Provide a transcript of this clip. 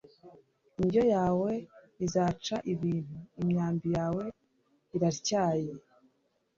Indyo yawe izaca ibintu imyambi yawe iratyaye